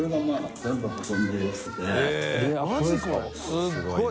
すごい！